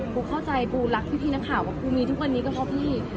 ปูเข้าใจปูรักพี่นักข่าวว่าปูมีทุกวันนี้ก็เพราะพี่